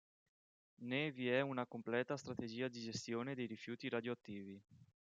Né vi è una completa strategia di gestione dei rifiuti radioattivi.